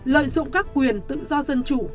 lợi dụng các quyền tự do dân chủ